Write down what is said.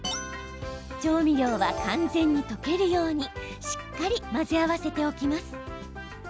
調味料は、完全に溶けるようにしっかり混ぜ合わせておきます。